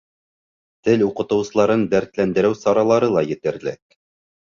— Тел уҡытыусыларын дәртләндереү саралары ла етерлек.